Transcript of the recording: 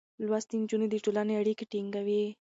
لوستې نجونې د ټولنې اړيکې ټينګوي.